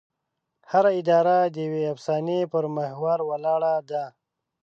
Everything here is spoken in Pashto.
هره اداره د یوې افسانې پر محور ولاړه ده.